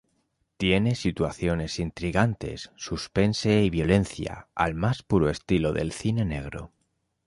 Tiene situaciones intrigantes, suspense y violencia, al más puro estilo del cine negro.